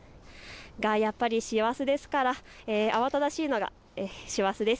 やはり師走ですから慌ただしいのが師走です。